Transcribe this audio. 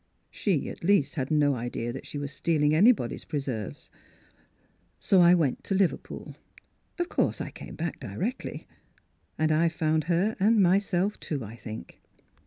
— She. at least, had no idea that she was stealing anybody's preserves. — So I went to Liverpool. Of course I came back directly, and I've found her and myself, too, I think.